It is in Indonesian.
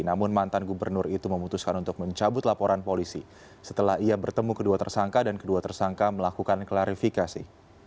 namun mantan gubernur itu memutuskan untuk mencabut laporan polisi setelah ia bertemu kedua tersangka dan kedua tersangka melakukan klarifikasi